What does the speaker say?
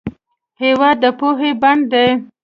هېواد د پوهې بڼ دی.